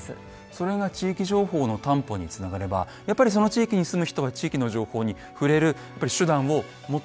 それが地域情報の担保につながればやっぱりその地域に住む人は地域の情報に触れる手段を持っていく。